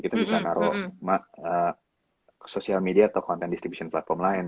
kita bisa naruh ke sosial media atau content distribution platform lain